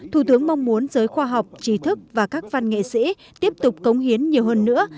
thủ tướng mong muốn giới khoa học trí thức và các văn nghệ sĩ tiếp tục cống hiến nhiều hơn nữa